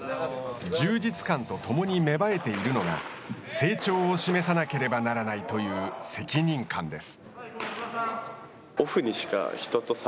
充実感とともに芽生えているのが成長を示さなければならないという責任感です。